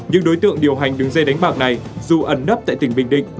những đối tượng điều hành đường dây đánh bạc này dù ẩn nấp tại tỉnh bình định